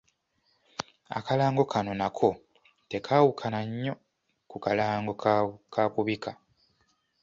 Akalango kano nako tekaawukana nnyo ku kalango ka kubika.